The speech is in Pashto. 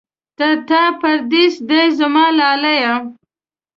تر تا پردېس دی زما لالی.